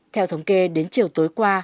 theo thống kê đến chiều tối qua